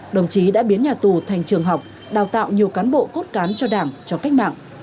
đồng chí đã biến nhà tù thành trường học đào tạo nhiều cán bộ cốt cán cho đảng cho cách mạng